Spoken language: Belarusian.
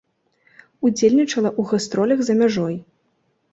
Удзельнічала ў гастролях за мяжой.